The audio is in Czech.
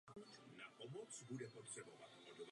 Postavena železnice a silniční síť.